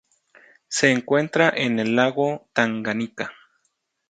Se encuentra en el lago Tanganika.